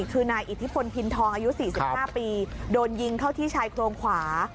คือนายอิทธิพลพินทองอายุ๔๕ปีโดนยิงเข้าที่ชายโครงขวา